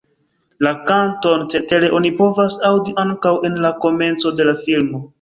La kanton cetere oni povas aŭdi ankaŭ en la komenco de la filmo.